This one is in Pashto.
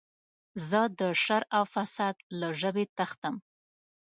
زه د شر او فساد له ژبې تښتم.